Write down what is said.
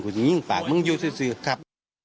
หูสิงหิ้งปากมันอยู่ซื้อครับ